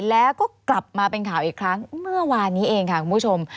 แล้วก็กลับมาเป็นข่าวอีกครั้งเมื่อวานนี้เองค่ะคุณผู้ชม